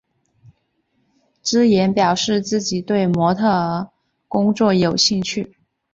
芝妍表示自己对模特儿工作有兴趣。